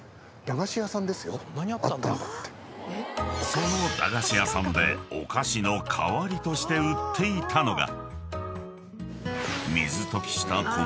［その駄菓子屋さんでお菓子の代わりとして売っていたのが］